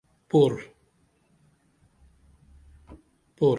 پور